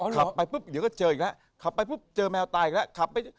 ขับไปปุ๊บเดี๋ยวก็เจออีกแล้วขับไปปุ๊บเจอแมวตายอีกแล้วขับไป